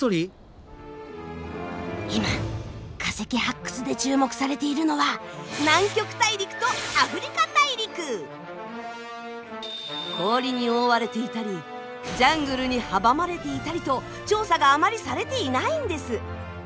今化石発掘で注目されているのは氷に覆われていたりジャングルに阻まれていたりと調査があまりされていないんです。